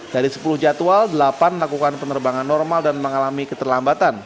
dari sepuluh jadwal delapan melakukan penerbangan normal dan mengalami keterlambatan